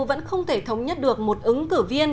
vẫn không thể thống nhất được một ứng cử viên